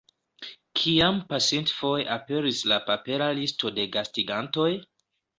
Kiam pasintfoje aperis la papera listo de gastigantoj?